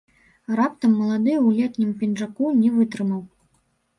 Раптам малады ў летнім пінжаку не вытрымаў.